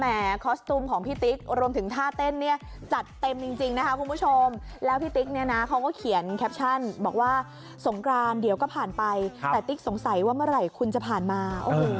คอสตูมของพี่ติ๊กรวมถึงท่าเต้นเนี่ยจัดเต็มจริงนะคะคุณผู้ชมแล้วพี่ติ๊กเนี่ยนะเขาก็เขียนแคปชั่นบอกว่าสงกรานเดี๋ยวก็ผ่านไปแต่ติ๊กสงสัยว่าเมื่อไหร่คุณจะผ่านมา